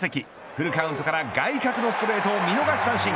フルカウントから外角のストレートに見逃し三振。